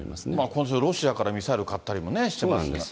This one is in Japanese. この人、ロシアからミサイル買ったりもしてますからね。